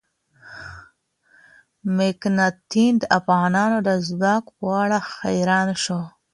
مکناتن د افغانانو د ځواک په اړه حیران شو.